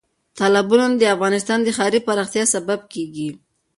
تالابونه د افغانستان د ښاري پراختیا سبب کېږي.